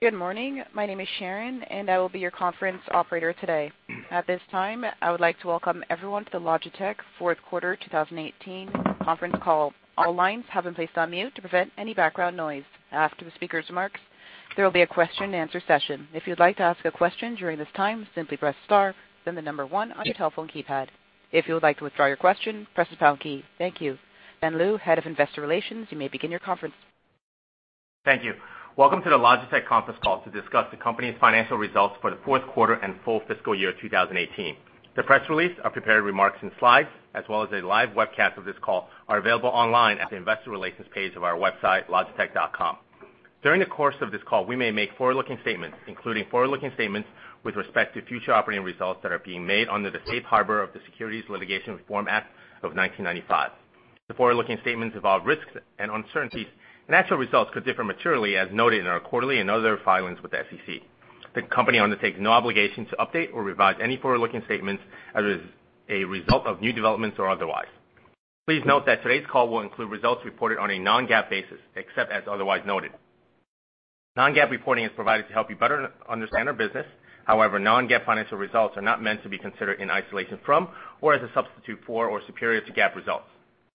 Good morning. My name is Sharon, and I will be your conference operator today. At this time, I would like to welcome everyone to the Logitech fourth quarter 2018 conference call. All lines have been placed on mute to prevent any background noise. After the speaker's remarks, there will be a question and answer session. If you'd like to ask a question during this time, simply press star, then the number one on your telephone keypad. If you would like to withdraw your question, press the pound key. Thank you. Ben Lu, Head of Investor Relations, you may begin your conference. Thank you. Welcome to the Logitech conference call to discuss the company's financial results for the fourth quarter and full fiscal year 2018. The press release, our prepared remarks and slides, as well as a live webcast of this call are available online at the investor relations page of our website, logitech.com. During the course of this call, we may make forward-looking statements, including forward-looking statements with respect to future operating results that are being made under the safe harbor of the Securities Litigation Reform Act of 1995. The forward-looking statements involve risks and uncertainties, and actual results could differ materially as noted in our quarterly and other filings with the SEC. The company undertakes no obligation to update or revise any forward-looking statements as a result of new developments or otherwise. Please note that today's call will include results reported on a non-GAAP basis, except as otherwise noted. Non-GAAP reporting is provided to help you better understand our business. However, non-GAAP financial results are not meant to be considered in isolation from, or as a substitute for, or superior to GAAP results.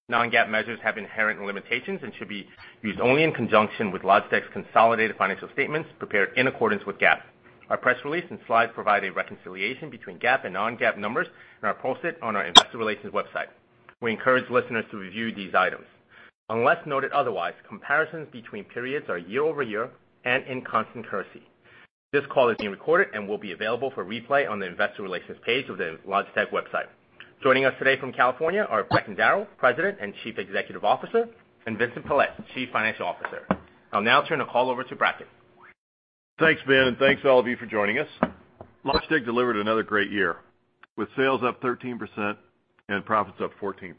Non-GAAP measures have inherent limitations and should be used only in conjunction with Logitech's consolidated financial statements prepared in accordance with GAAP. Our press release and slides provide a reconciliation between GAAP and non-GAAP numbers and are posted on our investor relations website. We encourage listeners to review these items. Unless noted otherwise, comparisons between periods are year-over-year and in constant currency. This call is being recorded and will be available for replay on the investor relations page of the Logitech website. Joining us today from California are Bracken Darrell, President and Chief Executive Officer, and Vincent Pilette, Chief Financial Officer. I'll now turn the call over to Bracken. Thanks, Ben, and thanks all of you for joining us. Logitech delivered another great year, with sales up 13% and profits up 14%.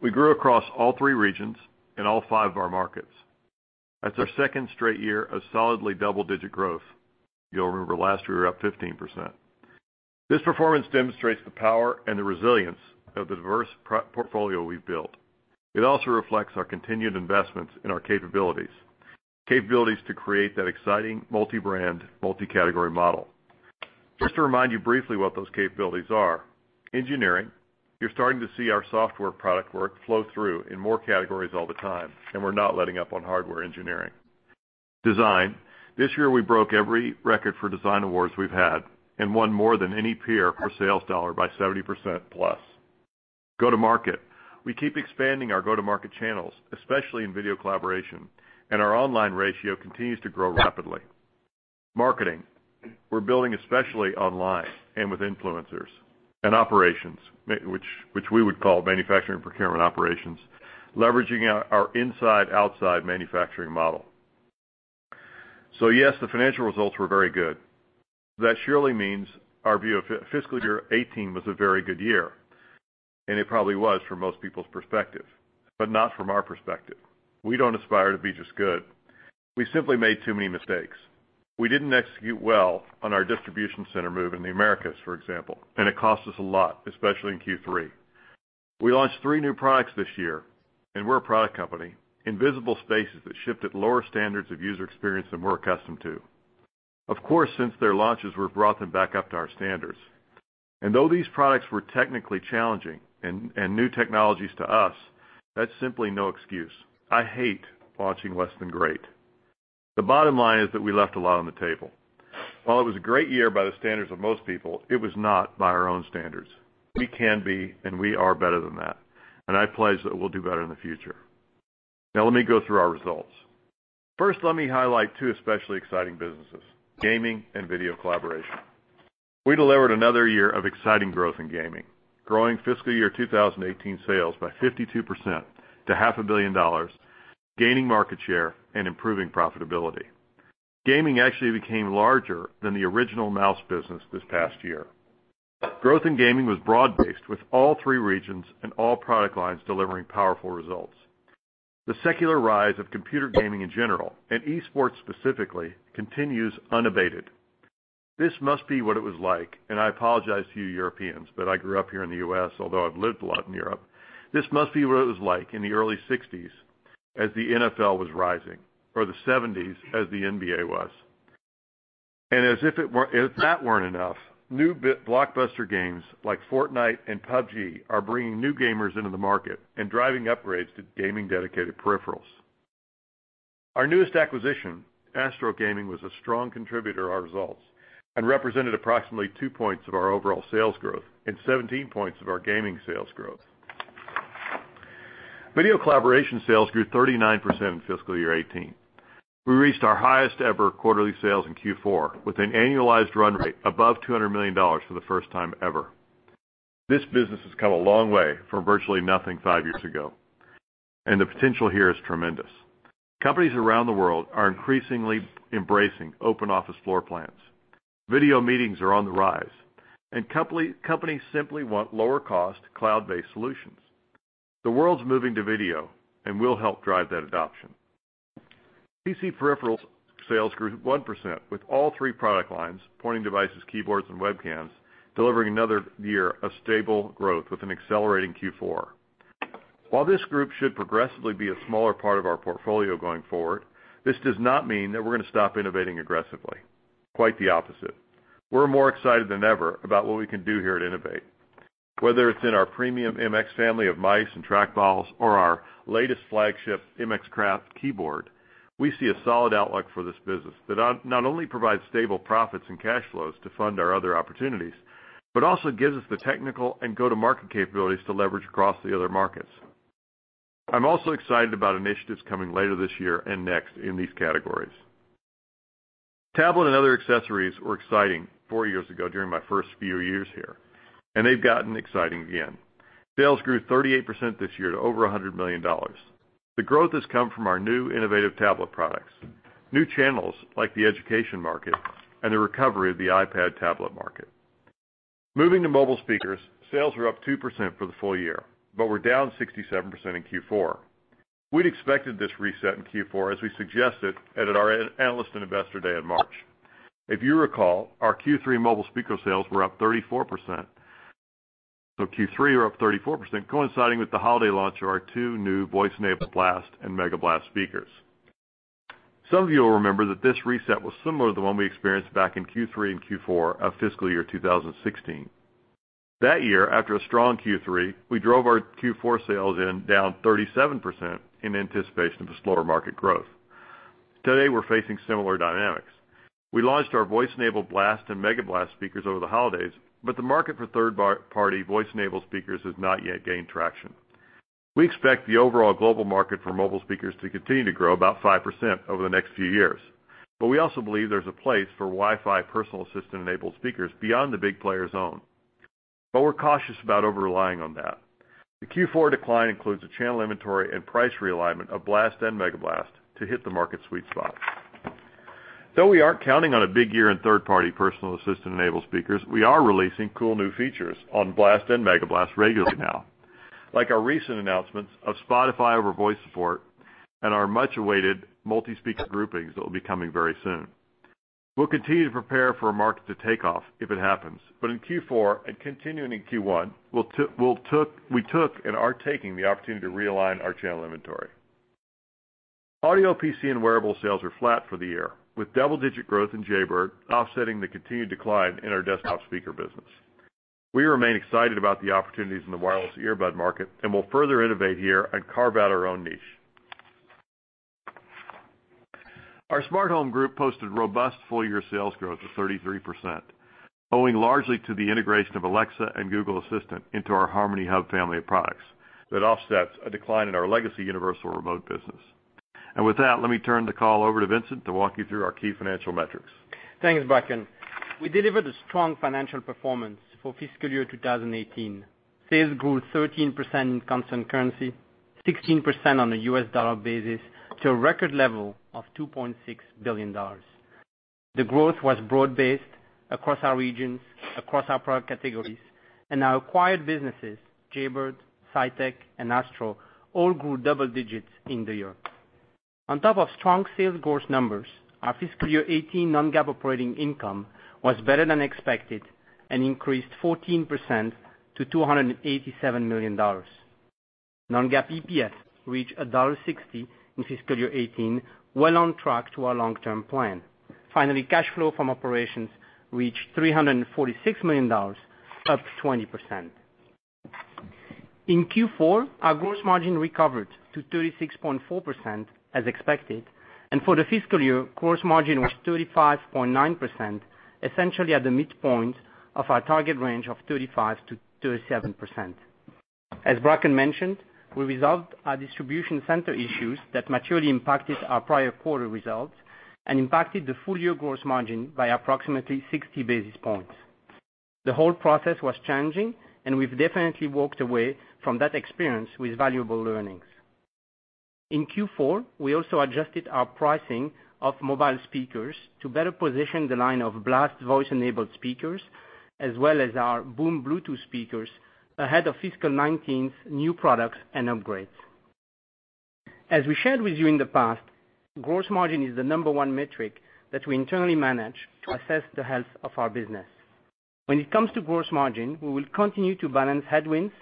We grew across all three regions and all five of our markets. That's our second straight year of solidly double-digit growth. You'll remember last year we were up 15%. This performance demonstrates the power and the resilience of the diverse portfolio we've built. It also reflects our continued investments in our capabilities. Capabilities to create that exciting multi-brand, multi-category model. Just to remind you briefly what those capabilities are. Engineering, you're starting to see our software product work flow through in more categories all the time, and we're not letting up on hardware engineering. Design, this year we broke every record for design awards we've had and won more than any peer per sales dollar by 70% plus. Go-to-market, we keep expanding our go-to-market channels, especially in video collaboration, and our online ratio continues to grow rapidly. Marketing, we're building especially online and with influencers. Operations, which we would call manufacturing procurement operations, leveraging our inside-outside manufacturing model. Yes, the financial results were very good. That surely means our view of fiscal year 2018 was a very good year, and it probably was from most people's perspective, but not from our perspective. We don't aspire to be just good. We simply made too many mistakes. We didn't execute well on our distribution center move in the Americas, for example, and it cost us a lot, especially in Q3. We launched three new products this year, and we're a product company, in visible spaces that shipped at lower standards of user experience than we're accustomed to. Of course, since their launches, we've brought them back up to our standards. Though these products were technically challenging and new technologies to us, that's simply no excuse. I hate launching less than great. The bottom line is that we left a lot on the table. While it was a great year by the standards of most people, it was not by our own standards. We can be, and we are better than that. I pledge that we'll do better in the future. Now let me go through our results. First, let me highlight two especially exciting businesses, gaming and video collaboration. We delivered another year of exciting growth in gaming, growing fiscal year 2018 sales by 52% to half a billion dollars, gaining market share and improving profitability. Gaming actually became larger than the original mouse business this past year. Growth in gaming was broad-based with all three regions and all product lines delivering powerful results. The secular rise of computer gaming in general, and esports specifically, continues unabated. This must be what it was like, I apologize to you Europeans, but I grew up here in the U.S., although I've lived a lot in Europe. This must be what it was like in the early 1960s as the NFL was rising, or the 1970s as the NBA was. As if that weren't enough, new blockbuster games like Fortnite and PUBG are bringing new gamers into the market and driving upgrades to gaming-dedicated peripherals. Our newest acquisition, Astro Gaming, was a strong contributor to our results and represented approximately two points of our overall sales growth and 17 points of our gaming sales growth. Video collaboration sales grew 39% in fiscal year 2018. We reached our highest-ever quarterly sales in Q4, with an annualized run rate above $200 million for the first time ever. This business has come a long way from virtually nothing five years ago, the potential here is tremendous. Companies around the world are increasingly embracing open office floor plans. Video meetings are on the rise. Companies simply want lower cost, cloud-based solutions. The world's moving to video, we'll help drive that adoption. PC peripherals sales grew 1% with all three product lines, pointing devices, keyboards, and webcams, delivering another year of stable growth with an accelerating Q4. While this group should progressively be a smaller part of our portfolio going forward, this does not mean that we're going to stop innovating aggressively. Quite the opposite. We're more excited than ever about what we can do here at innovate. Whether it's in our premium MX family of mice and trackballs or our latest flagship MX Craft keyboard, we see a solid outlook for this business that not only provides stable profits and cash flows to fund our other opportunities, but also gives us the technical and go-to-market capabilities to leverage across the other markets. I'm also excited about initiatives coming later this year and next in these categories. Tablet and other accessories were exciting four years ago during my first few years here, and they've gotten exciting again. Sales grew 38% this year to over $100 million. The growth has come from our new innovative tablet products, new channels like the education market, and the recovery of the iPad tablet market. Moving to mobile speakers, sales are up 2% for the full year, but were down 67% in Q4. We'd expected this reset in Q4, as we suggested at our analyst and investor day in March. If you recall, our Q3 mobile speaker sales were up 34%. Q3 are up 34%, coinciding with the holiday launch of our two new voice-enabled BLAST and MEGABLAST speakers. Some of you will remember that this reset was similar to the one we experienced back in Q3 and Q4 of fiscal year 2016. That year, after a strong Q3, we drove our Q4 sales in down 37% in anticipation of slower market growth. Today, we're facing similar dynamics. We launched our voice-enabled BLAST and MEGABLAST speakers over the holidays, but the market for third-party voice-enabled speakers has not yet gained traction. We expect the overall global market for mobile speakers to continue to grow about 5% over the next few years. We also believe there's a place for Wi-Fi personal assistant-enabled speakers beyond the big players' own. We're cautious about over-relying on that. The Q4 decline includes a channel inventory and price realignment of BLAST and MEGABLAST to hit the market's sweet spot. Though we aren't counting on a big year in third-party personal assistant-enabled speakers, we are releasing cool new features on BLAST and MEGABLAST regularly now, like our recent announcements of Spotify over voice support and our much-awaited multi-speaker groupings that will be coming very soon. We'll continue to prepare for a market to take off if it happens. In Q4 and continuing in Q1, we took and are taking the opportunity to realign our channel inventory. Audio PC and wearable sales are flat for the year, with double-digit growth in Jaybird offsetting the continued decline in our desktop speaker business. We remain excited about the opportunities in the wireless earbud market and will further innovate here and carve out our own niche. Our smart home group posted robust full-year sales growth of 33%, owing largely to the integration of Alexa and Google Assistant into our Harmony Hub family of products that offsets a decline in our legacy universal remote business. With that, let me turn the call over to Vincent to walk you through our key financial metrics. Thanks, Bracken. We delivered a strong financial performance for fiscal year 2018. Sales grew 13% in constant currency, 16% on a US dollar basis, to a record level of $2.6 billion. The growth was broad-based across our regions, across our product categories, and our acquired businesses, Jaybird, Saitek, and Astro, all grew double digits in the year. On top of strong sales growth numbers, our fiscal year 2018 non-GAAP operating income was better than expected and increased 14% to $287 million. Non-GAAP EPS reached $1.60 in fiscal year 2018, well on track to our long-term plan. Finally, cash flow from operations reached $346 million, up 20%. In Q4, our gross margin recovered to 36.4%, as expected, and for the fiscal year, gross margin was 35.9%, essentially at the midpoint of our target range of 35%-37%. As Bracken mentioned, we resolved our distribution center issues that materially impacted our prior quarter results and impacted the full-year gross margin by approximately 60 basis points. The whole process was changing. We've definitely walked away from that experience with valuable learnings. In Q4, we also adjusted our pricing of mobile speakers to better position the line of BLAST voice-enabled speakers, as well as our BOOM Bluetooth speakers ahead of fiscal year 2019's new products and upgrades. As we shared with you in the past, gross margin is the number one metric that we internally manage to assess the health of our business. When it comes to gross margin, we will continue to balance headwinds,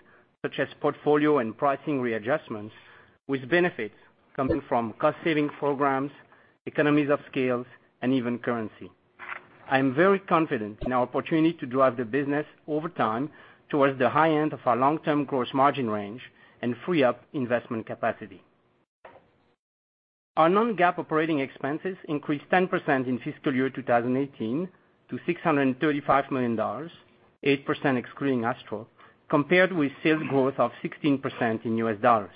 such as portfolio and pricing readjustments, with benefits coming from cost-saving programs, economies of scale, and even currency. I am very confident in our opportunity to drive the business over time towards the high end of our long-term gross margin range and free up investment capacity. Our non-GAAP operating expenses increased 10% in fiscal year 2018 to $635 million, 8% excluding Astro, compared with sales growth of 16% in US dollars.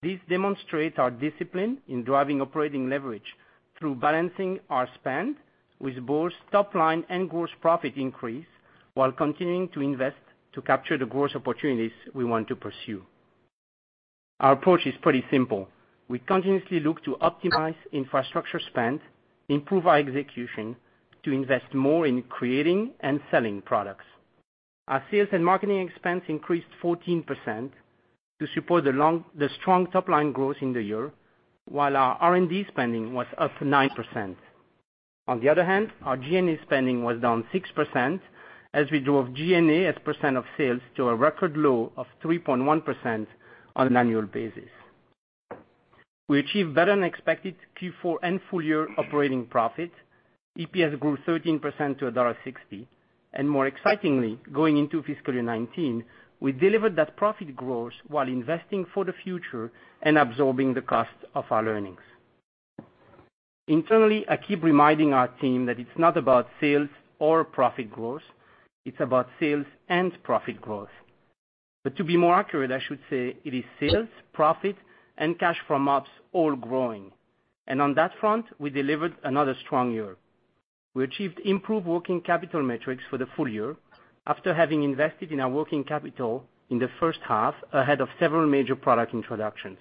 This demonstrates our discipline in driving operating leverage through balancing our spend with both top-line and gross profit increase while continuing to invest to capture the growth opportunities we want to pursue. Our approach is pretty simple. We continuously look to optimize infrastructure spend, improve our execution to invest more in creating and selling products. Our sales and marketing expense increased 14% to support the strong top-line growth in the year, while our R&D spending was up 9%. On the other hand, our G&A spending was down 6%, as we drove G&A as percent of sales to a record low of 3.1% on an annual basis. We achieved better than expected Q4 and full-year operating profit. EPS grew 13% to $1.60. More excitingly, going into fiscal year 2019, we delivered that profit growth while investing for the future and absorbing the cost of our learnings. Internally, I keep reminding our team that it's not about sales or profit growth, it's about sales and profit growth. To be more accurate, I should say it is sales, profit, and cash from ops all growing. On that front, we delivered another strong year. We achieved improved working capital metrics for the full year after having invested in our working capital in the first half ahead of several major product introductions.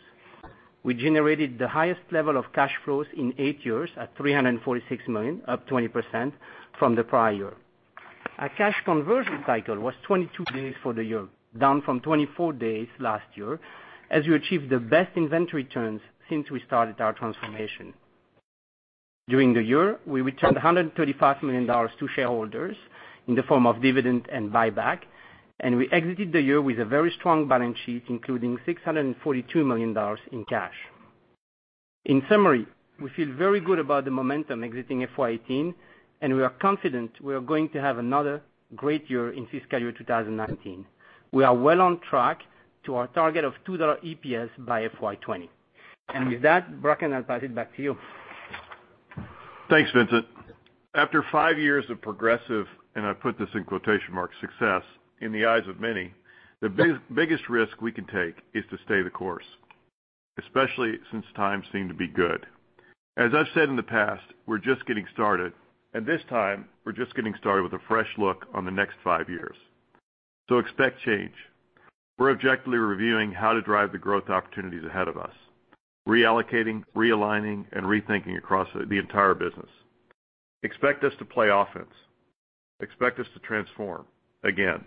We generated the highest level of cash flows in eight years at $346 million, up 20% from the prior year. Our cash conversion cycle was 22 days for the year, down from 24 days last year, as we achieved the best inventory turns since we started our transformation. During the year, we returned $135 million to shareholders in the form of dividend and buyback, and we exited the year with a very strong balance sheet, including $642 million in cash. In summary, we feel very good about the momentum exiting FY 2018, and we are confident we are going to have another great year in fiscal year 2019. We are well on track to our target of $2 EPS by FY 2020. With that, Bracken, I'll pass it back to you. Thanks, Vincent. After five years of progressive, and I put this in quotation marks, "success" in the eyes of many, the biggest risk we can take is to stay the course, especially since times seem to be good. As I've said in the past, we're just getting started, this time, we're just getting started with a fresh look on the next five years. Expect change. We're objectively reviewing how to drive the growth opportunities ahead of us, reallocating, realigning, and rethinking across the entire business. Expect us to play offense. Expect us to transform again.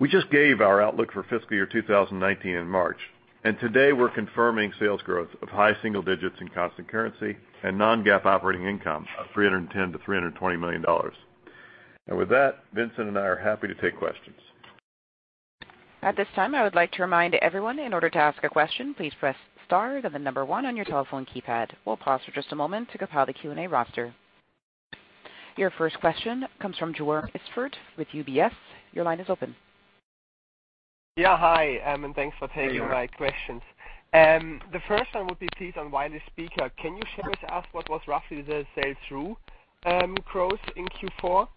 We just gave our outlook for fiscal year 2019 in March, today we're confirming sales growth of high single digits in constant currency and non-GAAP operating income of $310 million-$320 million. With that, Vincent and I are happy to take questions. At this time, I would like to remind everyone, in order to ask a question, please press star, then the number 1 on your telephone keypad. We'll pause for just a moment to compile the Q&A roster. Your first question comes from Joern Iffert with UBS. Your line is open. Yeah. Hi, thanks for taking- Hey, Joern. my questions. The first one would be, please, on wireless speaker. Can you share with us what was roughly the sales through growth in Q4?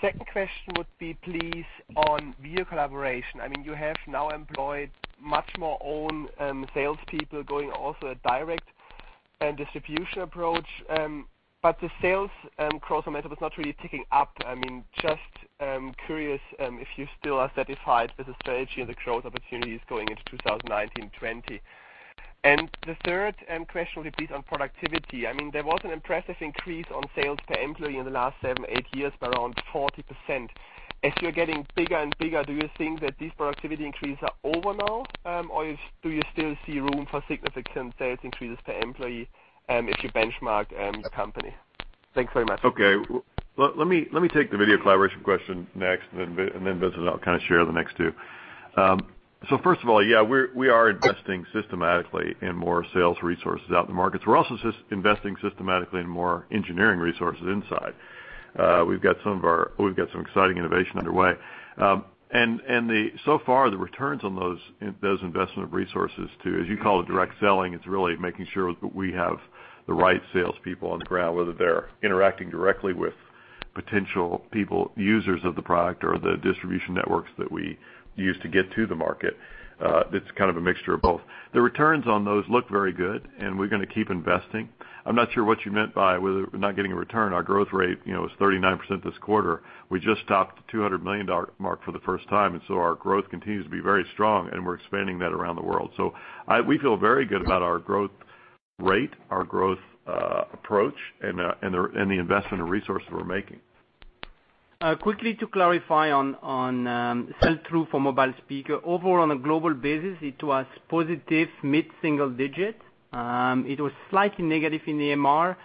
Second question would be please on video collaboration. You have now employed much more own salespeople going also a direct and distribution approach. The sales growth momentum is not really ticking up. Just curious if you still are satisfied with the strategy and the growth opportunities going into 2019-2020. The third question would be on productivity. There was an impressive increase on sales per employee in the last seven, eight years by around 40%. As you're getting bigger and bigger, do you think that these productivity increases are over now? Do you still see room for significant sales increases per employee if you benchmark the company? Thanks very much. Okay. Let me take the video collaboration question next. Vincent will share the next two. First of all, yeah, we are investing systematically in more sales resources out in the markets. We're also investing systematically in more engineering resources inside. We've got some exciting innovation underway. So far, the returns on those investment resources to, as you call it, direct selling, it's really making sure we have the right salespeople on the ground, whether they're interacting directly with potential people, users of the product or the distribution networks that we use to get to the market. It's kind of a mixture of both. The returns on those look very good, and we're going to keep investing. I'm not sure what you meant by we're not getting a return. Our growth rate was 39% this quarter. We just topped the $200 million mark for the first time. Our growth continues to be very strong, and we're expanding that around the world. We feel very good about our growth rate, our growth approach, and the investment and resources we're making. Quickly to clarify on sell-through for mobile speaker. Overall, on a global basis, it was positive mid-single digit. It was slightly negative in the Americas,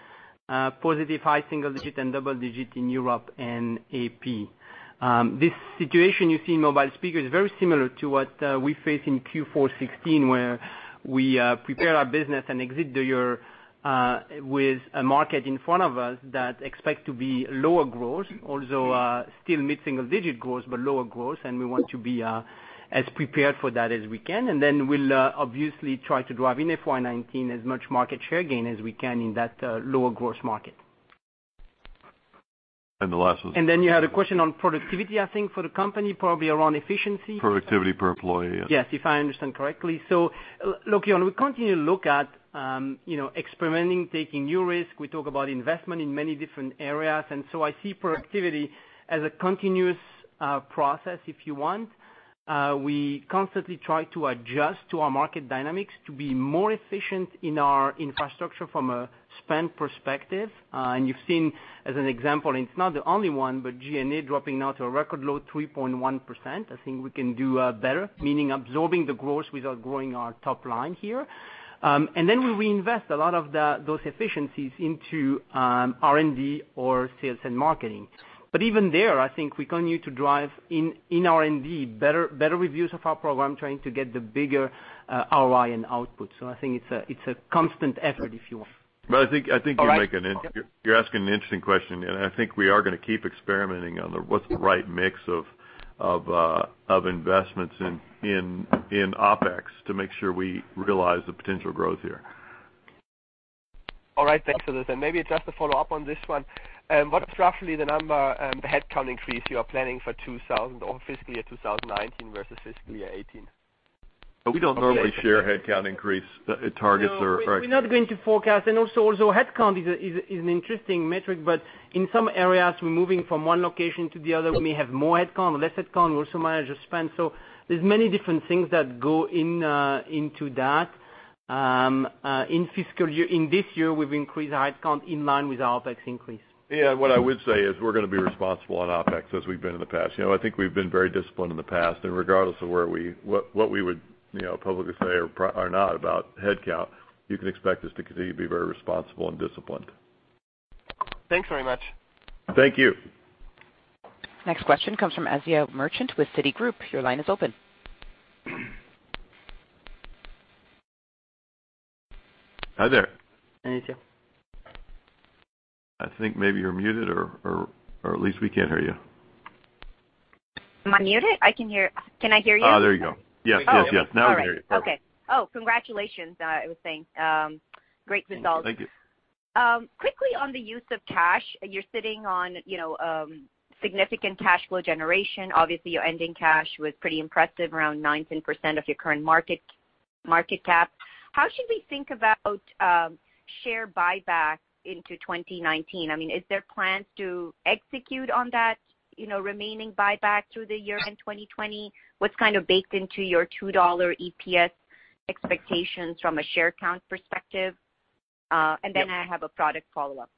positive high single digit and double digit in Europe and Asia Pacific. This situation you see in mobile speaker is very similar to what we faced in Q4 2016, where we prepare our business and exit the year with a market in front of us that expect to be lower growth, although still mid-single digit growth, but lower growth, and we want to be as prepared for that as we can. Then we'll obviously try to drive in FY 2019 as much market share gain as we can in that lower growth market. The last was- Then you had a question on productivity, I think, for the company, probably around efficiency. Productivity per employee, yeah. Yes, if I understand correctly. Look, we continue to look at experimenting, taking new risk. We talk about investment in many different areas, I see productivity as a continuous process, if you want. We constantly try to adjust to our market dynamics to be more efficient in our infrastructure from a spend perspective. You've seen as an example, and it's not the only one, but G&A dropping now to a record low 3.1%. I think we can do better, meaning absorbing the growth without growing our top line here. Then we reinvest a lot of those efficiencies into R&D or sales and marketing. Even there, I think we continue to drive in R&D, better reviews of our program, trying to get the bigger ROI and output. I think it's a constant effort, if you will. I think All right You're asking an interesting question, I think we are going to keep experimenting on what's the right mix of investments in OpEx to make sure we realize the potential growth here. All right. Thanks for this. Maybe just to follow up on this one, what is roughly the number, the headcount increase you are planning for fiscal year 2019 versus fiscal year 2018? We don't normally share headcount increase targets. No, we're not going to forecast. Also, headcount is an interesting metric, but in some areas, we're moving from one location to the other. We may have more headcount or less headcount. We also manage the spend, so there's many different things that go into that. In this year, we've increased the headcount in line with our OpEx increase. Yeah. What I would say is we're going to be responsible on OpEx as we've been in the past. I think we've been very disciplined in the past. Regardless of what we would publicly say or not about headcount, you can expect us to continue to be very responsible and disciplined. Thanks very much. Thank you. Next question comes from Asiya Merchant with Citigroup. Your line is open. Hi there. Hi there. I think maybe you're muted, or at least we can't hear you. Am I muted? Can I hear you? There you go. Yes. Oh, all right. Now we can hear you. Okay. Oh, congratulations, I was saying. Great results. Thank you. Quickly on the use of cash, you're sitting on significant cash flow generation. Obviously, your ending cash was pretty impressive, around 19% of your current market cap. How should we think about share buyback into 2019? I mean, is there plans to execute on that remaining buyback through the year-end 2020? What's kind of baked into your $2 EPS expectations from a share count perspective? Yeah. I have a product follow-up.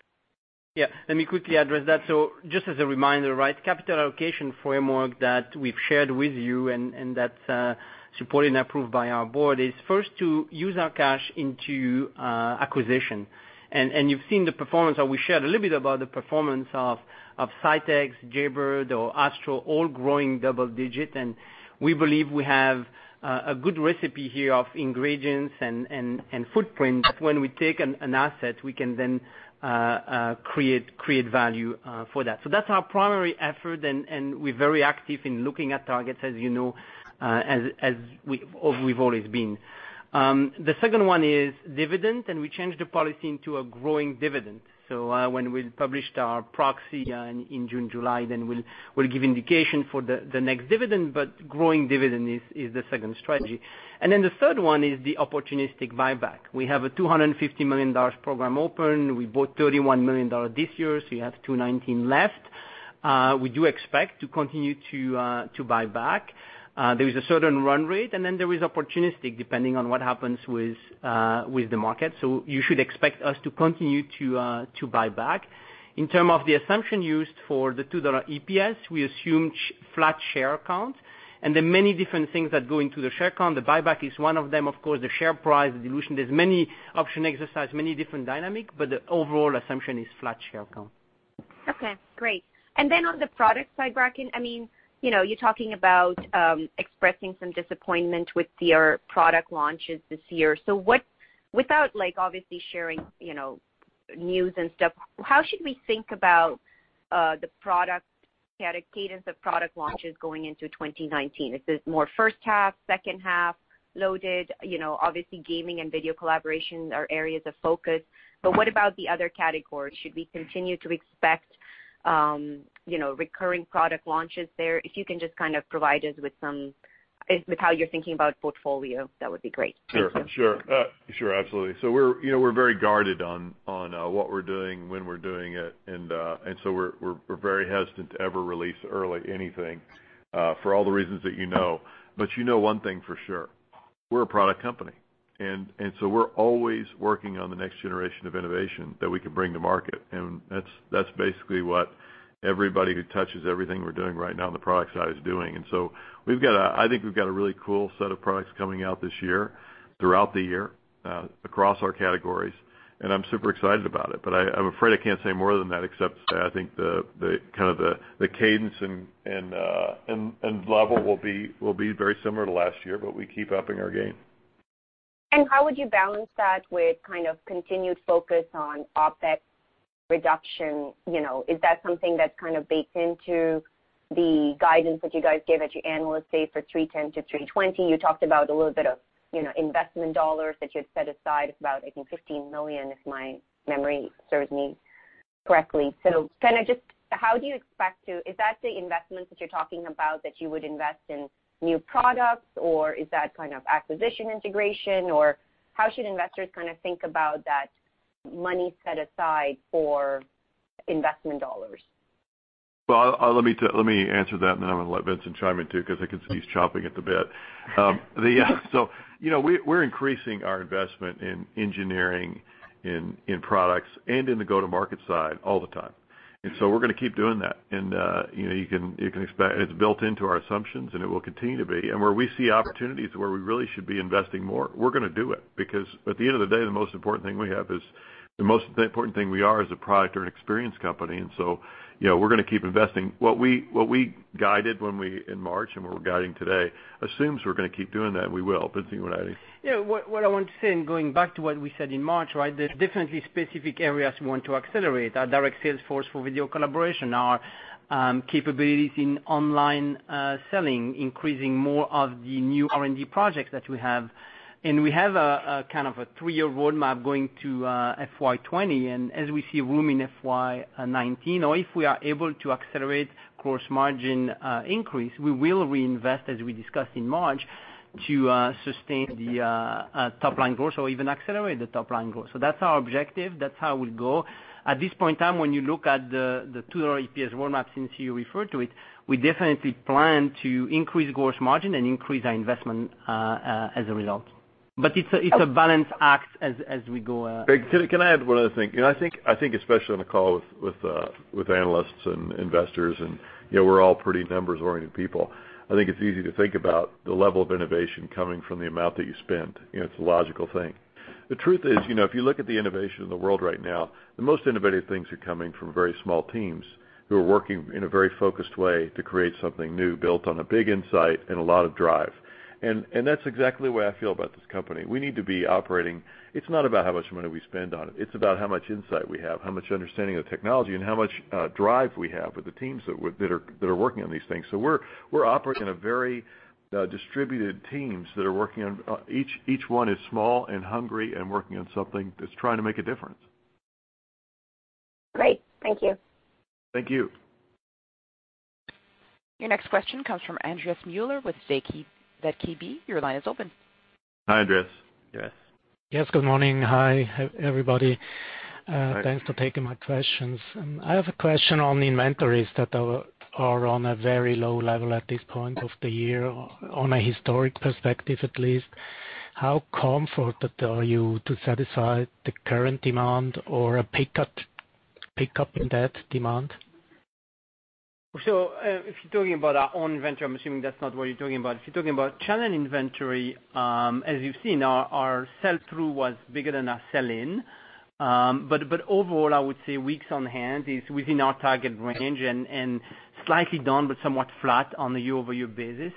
Let me quickly address that. Just as a reminder, capital allocation framework that we've shared with you and that's supported and approved by our board is first to use our cash into acquisition. You've seen the performance, or we shared a little bit about the performance of Saitek, Jaybird or Astro all growing double digit. We believe we have a good recipe here of ingredients and footprint that when we take an asset, we can create value for that. That's our primary effort, and we're very active in looking at targets as you know, as we've always been. The second one is dividend, we changed the policy into a growing dividend. When we published our proxy in June, July, we'll give indication for the next dividend, growing dividend is the second strategy. The third one is the opportunistic buyback. We have a $250 million program open. We bought $31 million this year, you have $219 left. We do expect to continue to buy back. There is a certain run rate, there is opportunistic, depending on what happens with the market. You should expect us to continue to buy back. In terms of the assumption used for the $2 EPS, we assume flat share count and the many different things that go into the share count. The buyback is one of them, of course, the share price, the dilution. There's many option exercises, many different dynamics, the overall assumption is flat share count. Okay, great. On the product side, Bracken, you're talking about expressing some disappointment with your product launches this year. Without obviously sharing news and stuff, how should we think about the cadence of product launches going into 2019? Is this more first half, second half loaded? Gaming and video collaboration are areas of focus, but what about the other categories? Should we continue to expect recurring product launches there? If you can just provide us with how you're thinking about portfolio, that would be great. Sure. Absolutely. We're very guarded on what we're doing, when we're doing it, we're very hesitant to ever release early anything for all the reasons that you know. You know one thing for sure, we're a product company, we're always working on the next generation of innovation that we can bring to market. That's basically what everybody who touches everything we're doing right now on the product side is doing. I think we've got a really cool set of products coming out this year, throughout the year across our categories, I'm super excited about it. I'm afraid I can't say more than that except I think the cadence and level will be very similar to last year, we keep upping our game. How would you balance that with continued focus on OpEx reduction? Is that something that's baked into the guidance that you guys gave at your Analyst Day for $310 million to $320 million? You talked about a little bit of investment dollars that you had set aside about, I think, $15 million, if my memory serves me correctly. Is that the investments that you're talking about that you would invest in new products, or is that acquisition integration? How should investors think about that money set aside for investment dollars? Let me answer that, I'm going to let Vincent chime in, too, because I can see he's chomping at the bit. We're increasing our investment in engineering, in products, in the go-to-market side all the time. We're going to keep doing that. It's built into our assumptions, it will continue to be. Where we see opportunities where we really should be investing more, we're going to do it, because at the end of the day, the most important thing we are is a product or an experience company. We're going to keep investing. What we guided in March and what we're guiding today assumes we're going to keep doing that, we will. Vincent, you want to add anything? Yeah, what I want to say, going back to what we said in March, there is definitely specific areas we want to accelerate: Our direct sales force for video collaboration, our capabilities in online selling, increasing more of the new R&D projects that we have. We have a three-year roadmap going to FY 2020, and as we see room in FY 2019, or if we are able to accelerate gross margin increase, we will reinvest, as we discussed in March, to sustain the top-line growth or even accelerate the top-line growth. That is our objective. That is how we will go. At this point in time, when you look at the two-year EPS roadmap, since you referred to it, we definitely plan to increase gross margin and increase our investment, as a result. It is a balance act as we go. Can I add one other thing? I think especially on a call with analysts and investors, and we are all pretty numbers-oriented people, I think it is easy to think about the level of innovation coming from the amount that you spend. It is a logical thing. The truth is, if you look at the innovation in the world right now, the most innovative things are coming from very small teams who are working in a very focused way to create something new, built on a big insight and a lot of drive. That is exactly the way I feel about this company. We need to be operating. It is not about how much money we spend on it. It is about how much insight we have, how much understanding of the technology, and how much drive we have with the teams that are working on these things. We operate in a very distributed teams that are working on. Each one is small and hungry and working on something that is trying to make a difference. Great. Thank you. Thank you. Your next question comes from Andreas Mueller with ZKB. Your line is open. Hi, Andreas. Andreas. Yes. Good morning. Hi, everybody. Hi. Thanks for taking my questions. I have a question on the inventories that are on a very low level at this point of the year, on a historic perspective at least. How comforted are you to satisfy the current demand or a pickup in that demand? If you're talking about our own inventory, I'm assuming that's not what you're talking about. If you're talking about channel inventory, as you've seen, our sell-through was bigger than our sell-in. Overall, I would say weeks on hand is within our target range and slightly down but somewhat flat on a year-over-year basis.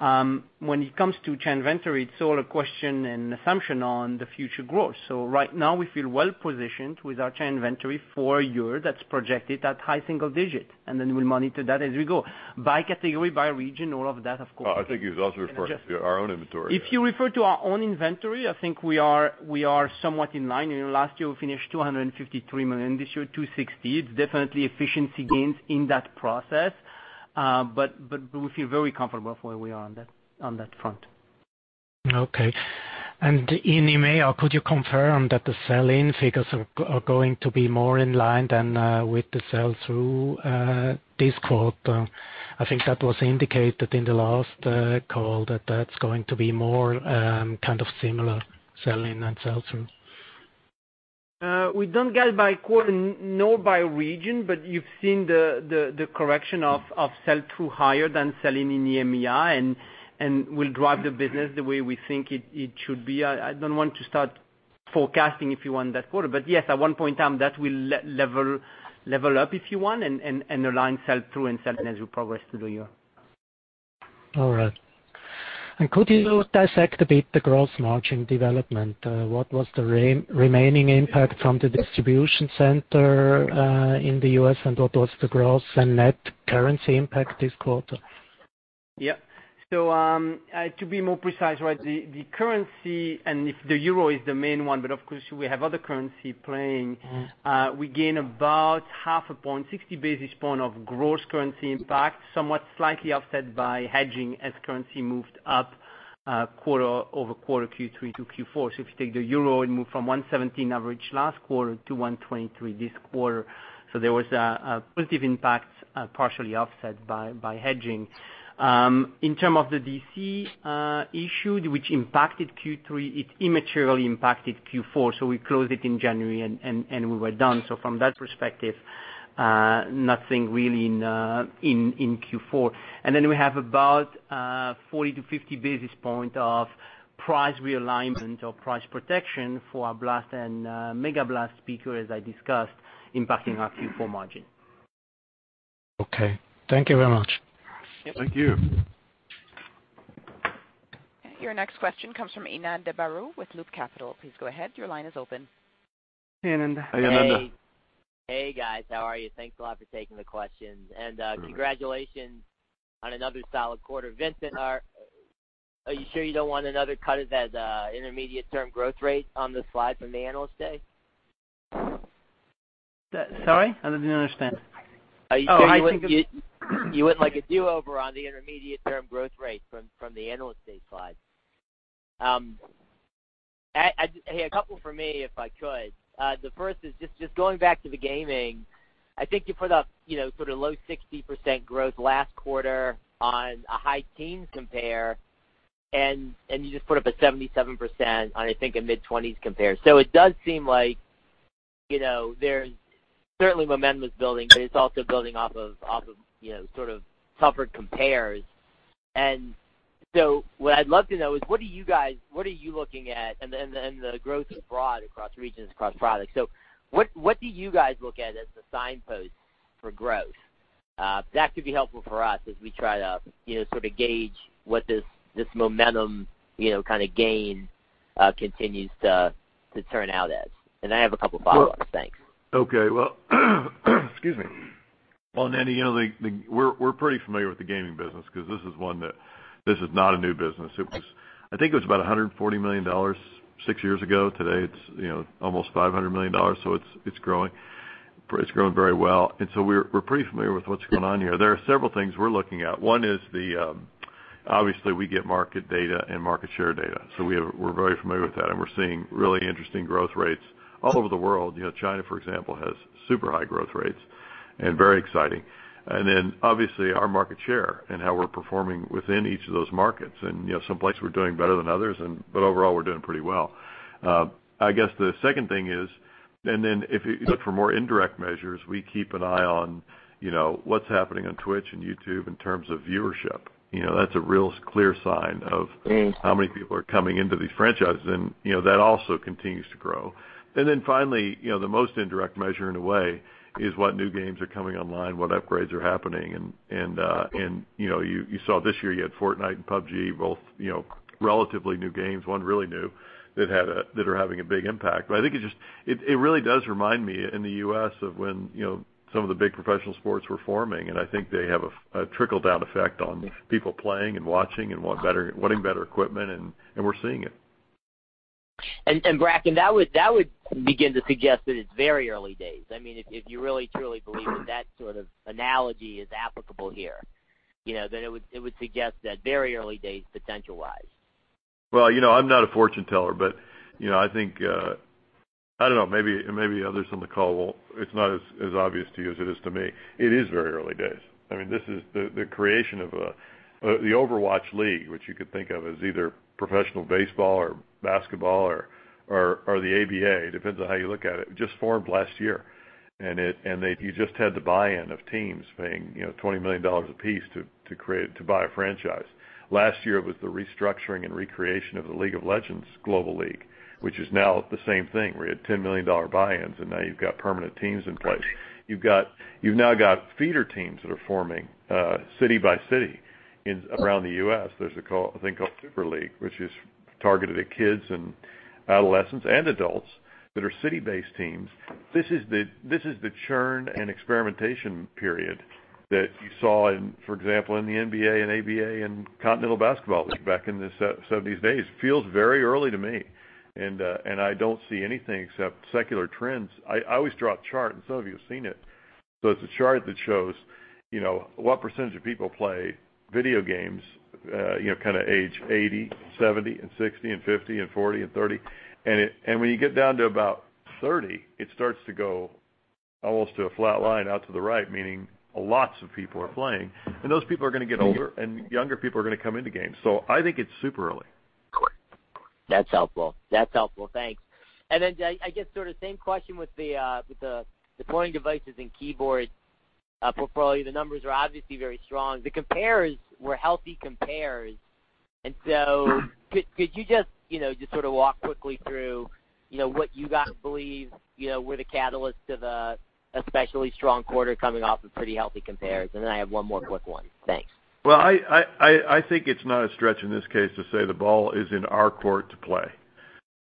When it comes to channel inventory, it's all a question and assumption on the future growth. Right now, we feel well-positioned with our channel inventory for a year that's projected at high single digit. Then we'll monitor that as we go. By category, by region, all of that, of course. I think he was also referring to our own inventory. If you refer to our own inventory, I think we are somewhat in line. Last year, we finished $253 million. This year, $260 million. It's definitely efficiency gains in that process. We feel very comfortable for where we are on that front. Okay. In EMEA, could you confirm that the sell-in figures are going to be more in line than with the sell-through this quarter? I think that was indicated in the last call, that that's going to be more similar, sell-in and sell-through. We don't guide by quarter nor by region. You've seen the correction of sell-through higher than sell-in in EMEA, will drive the business the way we think it should be. I don't want to start forecasting, if you want, that quarter. Yes, at one point in time, that will level up, if you want, and align sell-through and sell-in as we progress through the year. All right. Could you dissect a bit the gross margin development? What was the remaining impact from the distribution center in the U.S., and what was the gross and net currency impact this quarter? Yeah. To be more precise, the currency, the euro is the main one, but of course, we have other currency playing. We gain about half a point, 60 basis points of gross currency impact, somewhat slightly offset by hedging as currency moved up quarter-over-quarter Q3 to Q4. If you take the euro, it moved from 117 average last quarter to 123 this quarter. There was a positive impact, partially offset by hedging. In terms of the DC issue, which impacted Q3, it immaterially impacted Q4, we closed it in January and we were done. From that perspective, nothing really in Q4. Then we have about 40 to 50 basis points of price realignment or price protection for our BLAST and MEGABLAST speaker, as I discussed, impacting our Q4 margin. Okay. Thank you very much. Thank you. Your next question comes from Ananda Baruah with Loop Capital. Please go ahead. Your line is open. Hey, Ananda. Hi, Ananda. Hey, guys. How are you? Thanks a lot for taking the questions. Congratulations on another solid quarter. Vincent, are you sure you don't want another cut of that intermediate-term growth rate on the slide from the Analyst Day? Sorry? I didn't understand. Are you sure you wouldn't like a do-over on the intermediate-term growth rate from the Analyst Day slide? Hey, a couple from me, if I could. The first is just going back to the gaming I think you put up sort of low 60% growth last quarter on a high teens compare, you just put up a 77% on, I think, a mid-20s compare. It does seem like there's certainly momentum is building, but it's also building off of sort of tougher compares. What I'd love to know is what are you looking at and the growth is broad across regions, across products. What do you guys look at as the signpost for growth? That could be helpful for us as we try to sort of gauge what this momentum kind of gain continues to turn out as. I have a couple follow-ups. Thanks. Okay. Well, excuse me. Well, Ananda, we're pretty familiar with the gaming business because this is not a new business. I think it was about $140 million six years ago. Today, it's almost $500 million. It's growing very well. We're pretty familiar with what's going on here. There are several things we're looking at. One is obviously we get market data and market share data. We're very familiar with that, and we're seeing really interesting growth rates all over the world. China, for example, has super high growth rates and very exciting. Obviously our market share and how we're performing within each of those markets. Some places we're doing better than others, but overall, we're doing pretty well. I guess the second thing is, if you look for more indirect measures, we keep an eye on what's happening on Twitch and YouTube in terms of viewership. That's a real clear sign of how many people are coming into these franchises, and that also continues to grow. Finally, the most indirect measure in a way is what new games are coming online, what upgrades are happening. You saw this year, you had Fortnite and PUBG, both relatively new games, one really new, that are having a big impact. I think it really does remind me in the U.S. of when some of the big professional sports were forming, and I think they have a trickle-down effect on people playing and watching and wanting better equipment, and we're seeing it. Bracken, that would begin to suggest that it's very early days. If you really, truly believe that that sort of analogy is applicable here, it would suggest that very early days potential-wise. Well, I'm not a fortune teller, but I think, I don't know, maybe others on the call, it's not as obvious to you as it is to me. It is very early days. The creation of the Overwatch League, which you could think of as either professional baseball or basketball or the ABA, depends on how you look at it, just formed last year. You just had the buy-in of teams paying $20 million apiece to buy a franchise. Last year, it was the restructuring and recreation of the League of Legends global league, which is now the same thing, where you had $10 million buy-ins, and now you've got permanent teams in place. You've now got feeder teams that are forming city by city around the U.S. There's a thing called Super League, which is targeted at kids and adolescents and adults that are city-based teams. This is the churn and experimentation period that you saw in, for example, in the NBA and ABA and Continental Basketball League back in the '70s. Feels very early to me. I don't see anything except secular trends. I always draw a chart, and some of you have seen it. It's a chart that shows what percentage of people play video games kind of age 80, 70, 60, 50, 40, and 30. When you get down to about 30, it starts to go almost to a flat line out to the right, meaning lots of people are playing, and those people are going to get older, and younger people are going to come into games. I think it's super early. That's helpful. Thanks. Then I guess sort of same question with the pointing devices and keyboard portfolio. The numbers are obviously very strong. The compares were healthy compares. Could you just sort of walk quickly through what you guys believe were the catalysts to the especially strong quarter coming off of pretty healthy compares? Then I have one more quick one. Thanks. Well, I think it's not a stretch in this case to say the ball is in our court to play.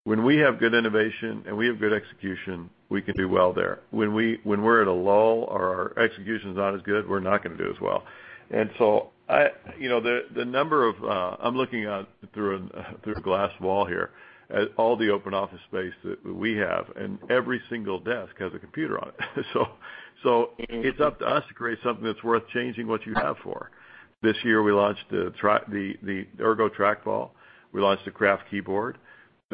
When we have good innovation and we have good execution, we can do well there. When we're at a lull or our execution's not as good, we're not going to do as well. I'm looking through a glass wall here at all the open office space that we have, and every single desk has a computer on it. It's up to us to create something that's worth changing what you have for. This year, we launched the MX ERGO. We launched the Craft Keyboard.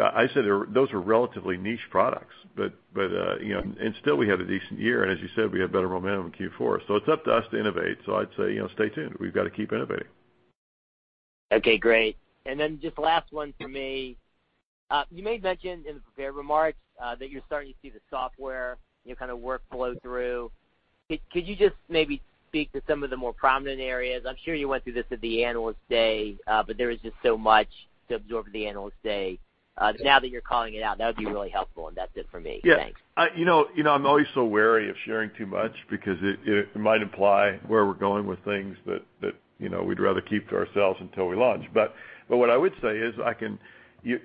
I say those are relatively niche products, and still we had a decent year, and as you said, we had better momentum in Q4. It's up to us to innovate. I'd say stay tuned. We've got to keep innovating. Okay, great. Then just last one from me. You made mention in the prepared remarks that you're starting to see the software kind of workflow through. Could you just maybe speak to some of the more prominent areas? I'm sure you went through this at the Analyst Day, there was just so much to absorb at the Analyst Day. Now that you're calling it out, that would be really helpful, that's it for me. Thanks. Yeah. I'm always so wary of sharing too much because it might imply where we're going with things that we'd rather keep to ourselves until we launch. What I would say is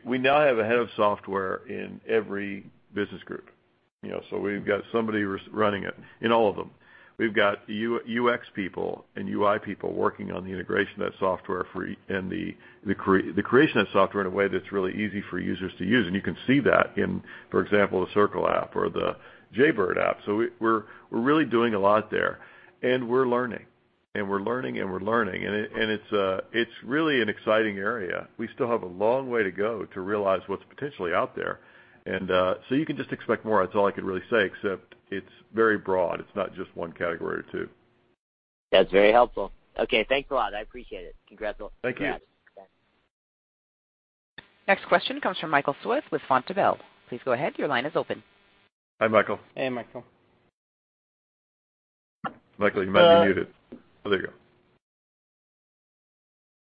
we now have a head of software in every business group. We've got somebody who's running it in all of them. We've got UX people and UI people working on the integration of that software and the creation of software in a way that's really easy for users to use. You can see that in, for example, the Circle app or the Jaybird app. We're really doing a lot there, and we're learning. It's really an exciting area. We still have a long way to go to realize what's potentially out there. You can just expect more. That's all I could really say, except it's very broad. It's not just one category or two. That's very helpful. Okay, thanks a lot. I appreciate it. Congrats. Thank you. Congrats. Bye. Next question comes from Michael Foeth with Vontobel. Please go ahead. Your line is open. Hi, Michael. Hey, Michael. Michael, you might be muted. Oh, there you go.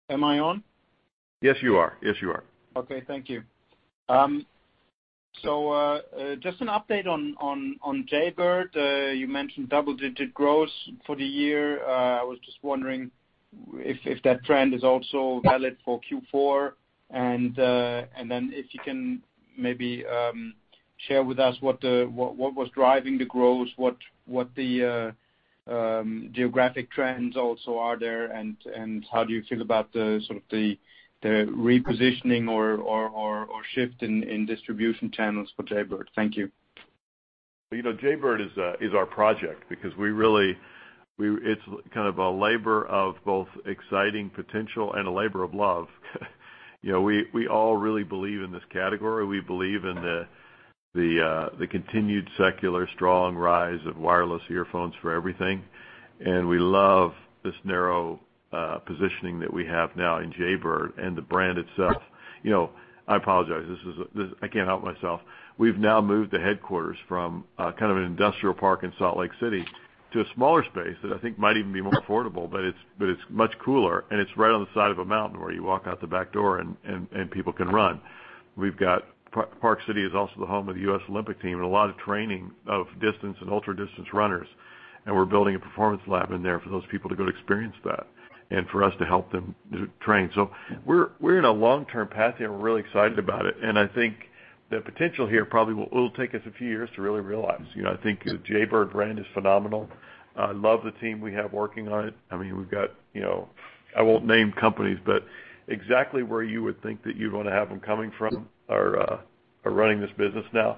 Am I on? Yes, you are. Okay. Thank you. Just an update on Jaybird. You mentioned double-digit growth for the year. I was just wondering if that trend is also valid for Q4, if you can maybe share with us what was driving the growth, what the geographic trends also are there, and how do you feel about the repositioning or shift in distribution channels for Jaybird? Thank you. Jaybird is our project because it's a labor of both exciting potential and a labor of love. We all really believe in this category. We believe in the continued secular strong rise of wireless earphones for everything. We love this narrow positioning that we have now in Jaybird and the brand itself. I apologize. I can't help myself. We've now moved the headquarters from an industrial park in Salt Lake City to a smaller space that I think might even be more affordable, but it's much cooler. It's right on the side of a mountain where you walk out the back door and people can run. Park City is also the home of the U.S. Olympic Team and a lot of training of distance and ultra-distance runners. We're building a performance lab in there for those people to go experience that and for us to help them train. We're in a long-term path here. We're really excited about it. I think the potential here probably will take us a few years to really realize. I think the Jaybird brand is phenomenal. I love the team we have working on it. We've got, I won't name companies, but exactly where you would think that you'd want to have them coming from are running this business now.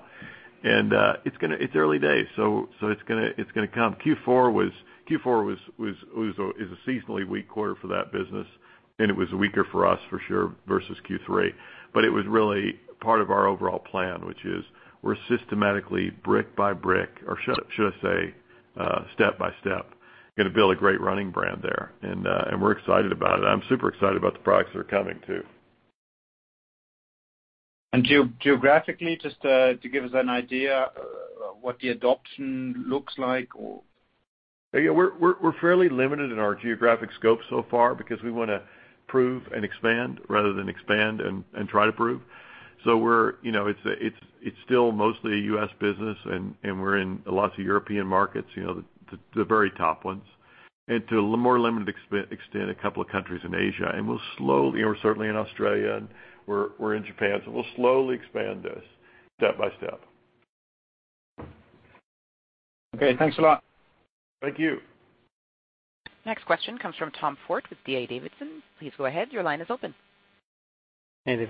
It's early days. It's going to come. Q4 is a seasonally weak quarter for that business. It was weaker for us for sure versus Q3, but it was really part of our overall plan, which is we're systematically, brick by brick, or should I say step by step, going to build a great running brand there. We're excited about it. I'm super excited about the products that are coming, too. Geographically, just to give us an idea what the adoption looks like, or? We're fairly limited in our geographic scope so far because we want to prove and expand rather than expand and try to prove. It's still mostly a U.S. business. We're in lots of European markets, the very top ones, and to a more limited extent, a couple of countries in Asia. We're certainly in Australia. We're in Japan. We'll slowly expand this step by step. Okay. Thanks a lot. Thank you. Next question comes from Tom Forte with D.A. Davidson. Please go ahead. Your line is open. Hey, Dave.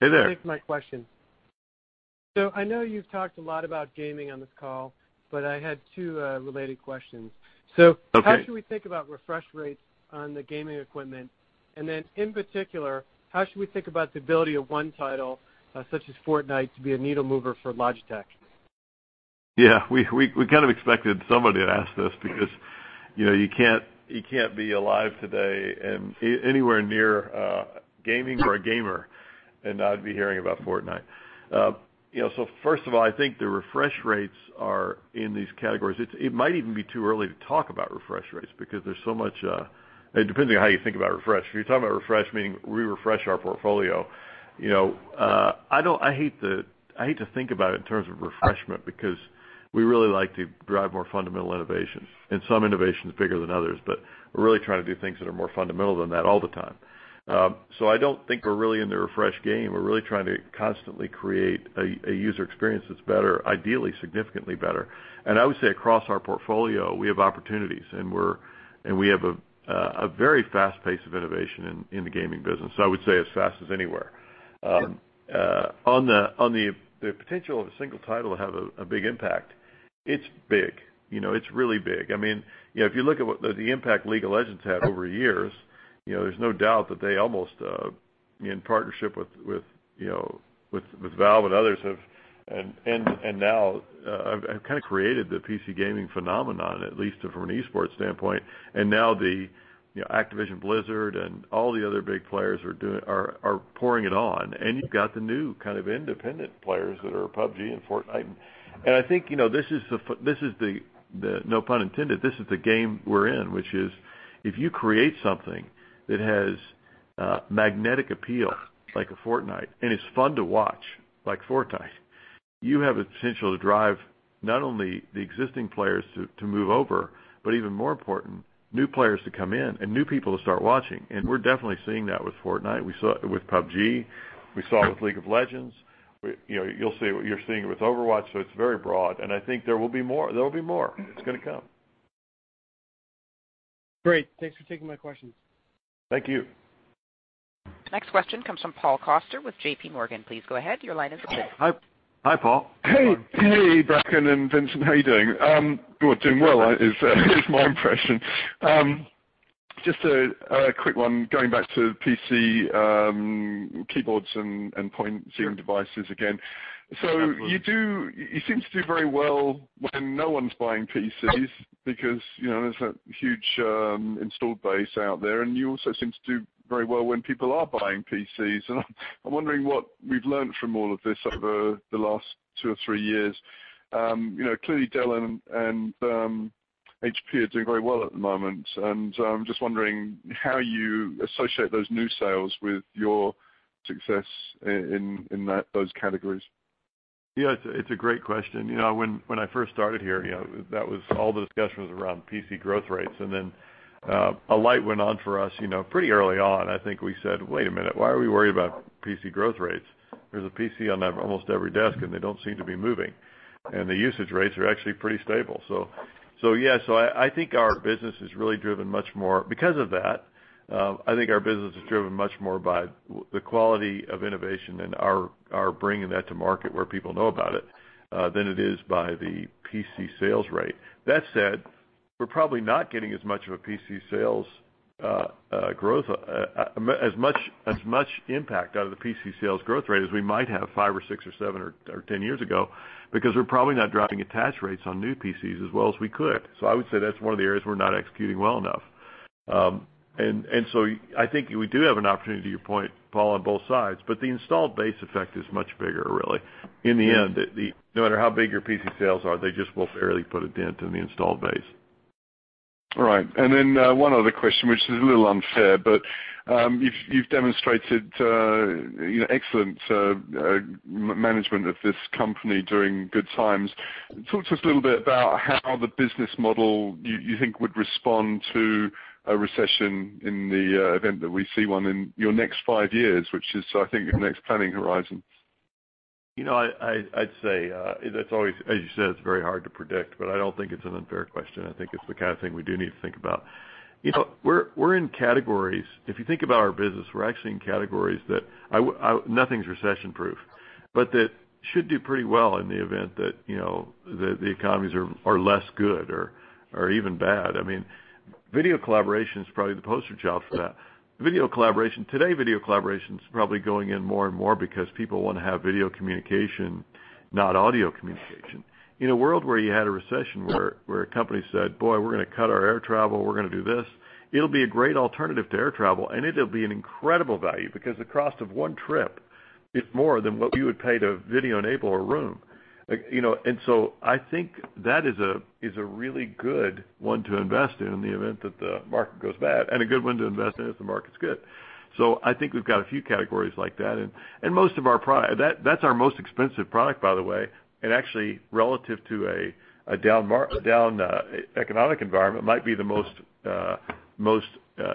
Hey there. Thanks for my questions. I know you've talked a lot about gaming on this call, but I had two related questions. Okay. How should we think about refresh rates on the gaming equipment? In particular, how should we think about the ability of one title, such as Fortnite, to be a needle mover for Logitech? Yeah. We kind of expected somebody to ask this because you can't be alive today and anywhere near gaming or a gamer and not be hearing about Fortnite. First of all, I think the refresh rates are in these categories. It might even be too early to talk about refresh rates because it depends on how you think about refresh. If you're talking about refresh, meaning we refresh our portfolio, I hate to think about it in terms of refreshment, because we really like to drive more fundamental innovations, and some innovations bigger than others, but we're really trying to do things that are more fundamental than that all the time. I don't think we're really in the refresh game. We're really trying to constantly create a user experience that's better, ideally significantly better. I would say across our portfolio, we have opportunities, and we have a very fast pace of innovation in the gaming business. I would say as fast as anywhere. On the potential of a single title to have a big impact, it's big. It's really big. If you look at the impact "League of Legends" had over years, there's no doubt that they almost in partnership with Valve and others, now have kind of created the PC gaming phenomenon, at least from an esports standpoint. Now the Activision Blizzard and all the other big players are pouring it on. You've got the new kind of independent players that are PUBG and Fortnite. I think, no pun intended, this is the game we're in, which is if you create something that has magnetic appeal like a Fortnite, and it's fun to watch, like Fortnite, you have the potential to drive not only the existing players to move over, but even more important, new players to come in and new people to start watching. We're definitely seeing that with Fortnite. We saw it with PUBG, we saw it with "League of Legends." You're seeing it with "Overwatch," it's very broad, and I think there will be more. It's going to come. Great. Thanks for taking my questions. Thank you. Next question comes from Paul Coster with JPMorgan. Please go ahead. Your line is open. Hi. Hi, Paul. Hey. Hey, Bracken and Vincent. How are you doing? You're doing well, is my impression. Just a quick one, going back to PC keyboards and point- Sure zooming devices again. Absolutely. You seem to do very well when no one's buying PCs because there's a huge installed base out there, and you also seem to do very well when people are buying PCs. I'm wondering what we've learned from all of this over the last two or three years. Clearly Dell and HP are doing very well at the moment, I'm just wondering how you associate those new sales with your success in those categories. Yeah, it's a great question. When I first started here, all the discussion was around PC growth rates. A light went on for us pretty early on. I think we said, "Wait a minute. Why are we worried about PC growth rates? There's a PC on almost every desk, and they don't seem to be moving. And the usage rates are actually pretty stable." Yeah, I think our business is really driven much more, because of that, by the quality of innovation and our bringing that to market where people know about it, than it is by the PC sales rate. That said, we're probably not getting as much impact out of the PC sales growth rate as we might have five or six or seven or 10 years ago, because we're probably not driving attach rates on new PCs as well as we could. I would say that's one of the areas we're not executing well enough. I think we do have an opportunity to your point, Paul, on both sides, but the installed base effect is much bigger really. In the end, no matter how big your PC sales are, they just won't barely put a dent in the installed base. All right. One other question, which is a little unfair, but you've demonstrated excellent management of this company during good times. Talk to us a little bit about how the business model, you think, would respond to a recession in the event that we see one in your next five years, which is, I think your next planning horizon. I'd say, as you said, it's very hard to predict, but I don't think it's an unfair question. I think it's the kind of thing we do need to think about. If you think about our business, we're actually in categories that, nothing's recession proof, but that should do pretty well in the event that the economies are less good or even bad. Video collaboration is probably the poster child for that. Today video collaboration's probably going in more and more because people want to have video communication, not audio communication. In a world where you had a recession where a company said, "Boy, we're going to cut our air travel. We're going to do this," it'll be a great alternative to air travel, and it'll be an incredible value because the cost of one trip is more than what you would pay to video enable a room. I think that is a really good one to invest in the event that the market goes bad, and a good one to invest in if the market's good. I think we've got a few categories like that. That's our most expensive product, by the way. Actually, relative to a down economic environment, might be the most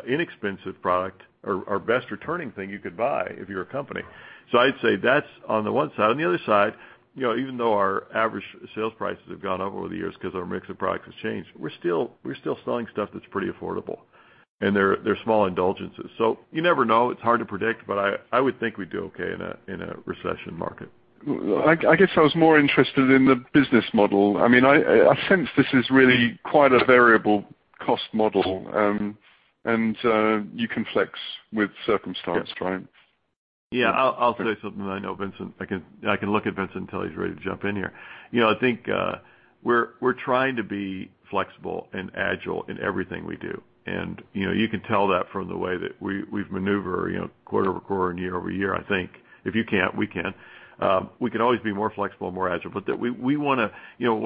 inexpensive product or best returning thing you could buy if you're a company. I'd say that's on the one side. On the other side, even though our average sales prices have gone up over the years because our mix of products has changed, we're still selling stuff that's pretty affordable, and they're small indulgences. You never know. It's hard to predict, but I would think we'd do okay in a recession market. I guess I was more interested in the business model. I sense this is really quite a variable cost model, and you can flex with circumstance, right? I'll say something, and I can look at Vincent until he's ready to jump in here. I think we're trying to be flexible and agile in everything we do, and you can tell that from the way that we've maneuvered quarter-over-quarter and year-over-year. I think if you can't, we can. We can always be more flexible and more agile. One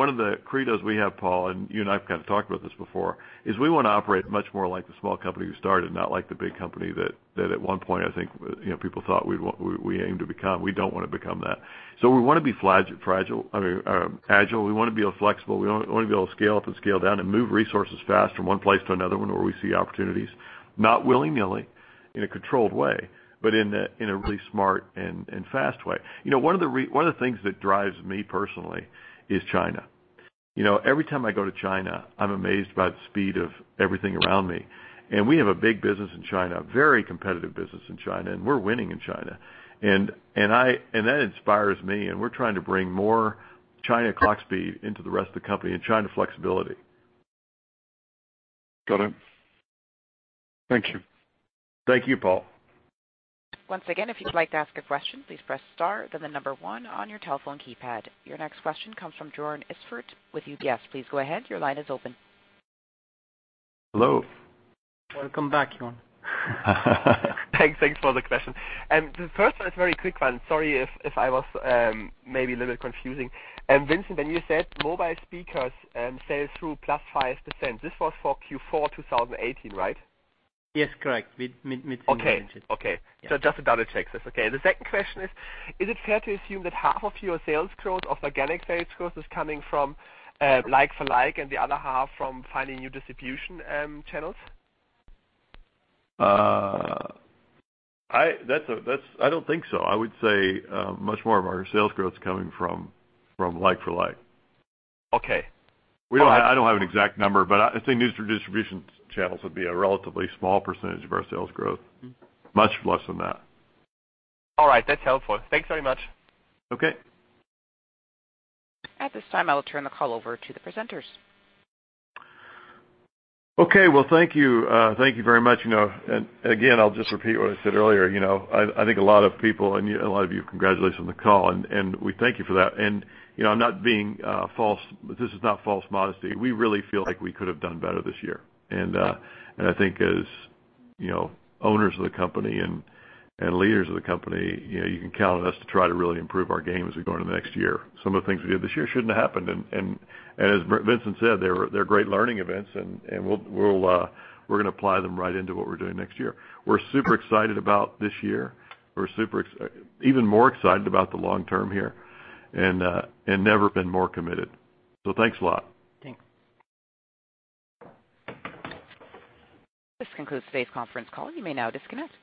of the credos we have, Paul, and you and I have kind of talked about this before, is we want to operate much more like the small company we started, not like the big company that at one point, I think, people thought we aimed to become. We don't want to become that. We want to be agile, we want to be able to flexible, we want to be able to scale up and scale down and move resources fast from one place to another when we see opportunities. Not willy-nilly, in a controlled way, but in a really smart and fast way. One of the things that drives me personally is China. Every time I go to China, I'm amazed by the speed of everything around me. We have a big business in China, very competitive business in China, and we're winning in China. That inspires me, and we're trying to bring more China clock speed into the rest of the company and China flexibility. Got it. Thank you. Thank you, Paul. Once again, if you'd like to ask a question, please press star, then the number 1 on your telephone keypad. Your next question comes from Joern Iffert with UBS. Please go ahead. Your line is open. Hello. Welcome back, Joern. Thanks for the question. The first one is a very quick one. Sorry if I was maybe a little bit confusing. Vincent, when you said mobile speakers sales through plus 5%, this was for Q4 2018, right? Yes, correct. Mid- Okay. Yeah. Just to double check. That's okay. The second question is it fair to assume that half of your sales growth, of organic sales growth, is coming from like for like, and the other half from finding new distribution channels? I don't think so. I would say much more of our sales growth is coming from like for like. Okay. I don't have an exact number, but I'd say new distribution channels would be a relatively small percentage of our sales growth. Much less than that. All right, that's helpful. Thanks very much. Okay. At this time, I will turn the call over to the presenters. Okay. Well, thank you very much. Again, I'll just repeat what I said earlier. I think a lot of people and a lot of you congratulations on the call, and we thank you for that. I'm not being false, but this is not false modesty. We really feel like we could have done better this year. I think as owners of the company and leaders of the company, you can count on us to try to really improve our game as we go into next year. Some of the things we did this year shouldn't have happened. As Vincent said, they're great learning events, and we're going to apply them right into what we're doing next year. We're super excited about this year. We're even more excited about the long term here, and never been more committed. Thanks a lot. Thanks. This concludes today's conference call. You may now disconnect.